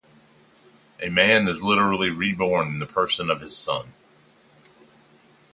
A man is literally reborn in the person of his son.